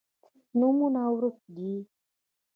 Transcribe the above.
نومونه ورک دي